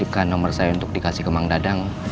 dia juga ngasihkan nomer saya untuk dikasih ke mang dadang